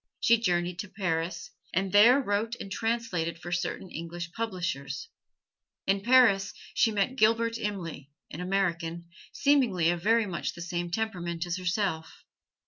She journeyed to Paris, and there wrote and translated for certain English publishers. In Paris she met Gilbert Imlay, an American, seemingly of very much the same temperament as herself.